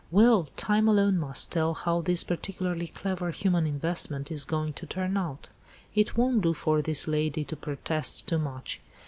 Well, time alone must tell how this particularly clever human investment is going to turn out. It won't do for this lady to 'protest too much.